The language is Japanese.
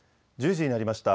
１０時になりました。